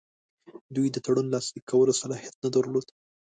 دوی د تړون لاسلیک کولو صلاحیت نه درلود.